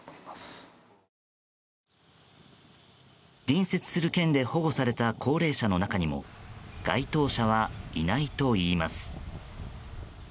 隣接する県で保護された高齢者の中にも該当者はいないといいます。